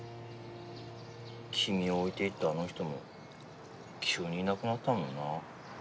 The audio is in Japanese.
君を置いていったあの人も急にいなくなったもんな。